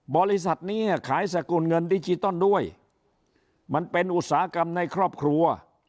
บริษัทนี้ขายสกุลเงินดิจิตอลด้วยมันเป็นอุตสาหกรรมในครอบครัว